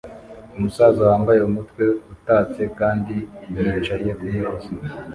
Umusaza wambaye umutwe utatse kandi yicaye kumeza